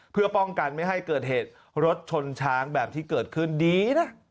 เพื่อป้องกันไม่ให้เกิดเหตุรถชนช้างแบบที่เกิดขึ้นดีนะ